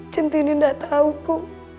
cintini gak tau ku